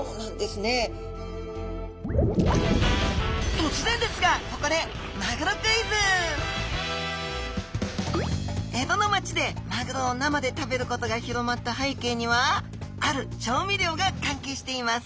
突然ですがここで江戸の街でマグロを生で食べることが広まった背景にはある調味料が関係しています。